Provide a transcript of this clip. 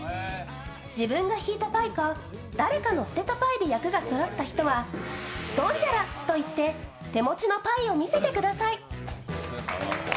自分が引いたパイか、誰かの捨てたパイで役がそろった人は「ドンジャラ！」と言って手持ちのパイを見せてください。